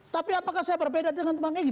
tapi apakah saya berbeda dengan bang egy